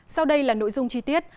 sau đây là nội dung chi tiết